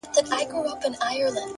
د وخت درناوی د ژوند درناوی دی،